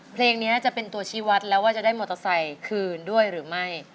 เพลงนี้จะเป็นตัวชีวัตรแล้วว่าจะได้มอเตอร์ไซค์คืนด้วยหรือไม่